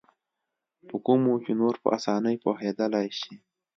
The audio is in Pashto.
په کومو چې نور په اسانۍ پوهېدلای شي.